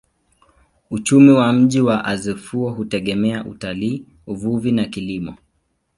Uchumi wa mji wa Azeffou hutegemea utalii, uvuvi na kilimo.